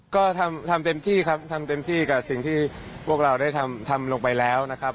ก็ทำเต็มที่ครับทำเต็มที่กับสิ่งที่พวกเราได้ทำลงไปแล้วนะครับ